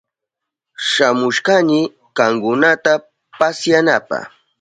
Shamushkani kankunata pasyanapa.